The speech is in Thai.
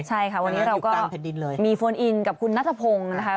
ใช่ค่ะวันนี้เราก็มีโฟนอินกับคุณนัทพงศ์นะคะ